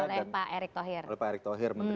oleh pak erik thohir oleh pak erik thohir